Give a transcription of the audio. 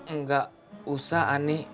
enggak usah ani